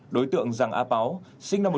đối tượng rằng áp áo